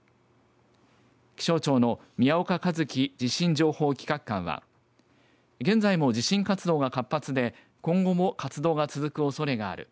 情報企画官は現在も地震活動が活発で今後も活動が続くおそれがある。